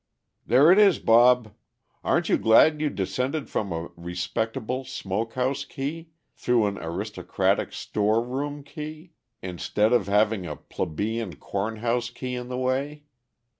"There it is, Bob. A'n't you glad you descended from a respectable smoke house key, through an aristocratic store room key, instead of having a plebeian corn house key in the way?